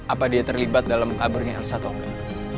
apa dia terlibat dalam kaburnya elsa atau enggak